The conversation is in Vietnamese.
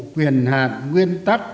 quyền hạn nguyên tắc